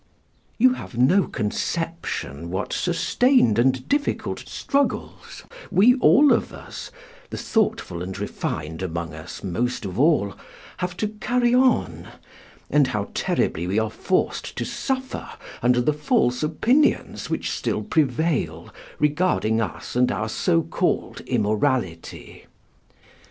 "You have no conception what sustained and difficult struggles we all of us (the thoughtful and refined among us most of all) have to carry on, and how terribly we are forced to suffer under the false opinions which still prevail regarding us and our so called immorality.